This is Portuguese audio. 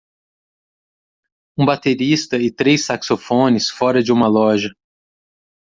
Um baterista e três saxofones fora de uma loja.